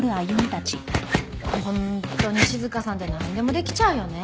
本当に静さんってなんでもできちゃうよね。